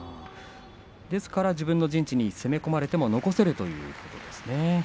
ですから自分の陣地に攻め込まれても残せるということですね。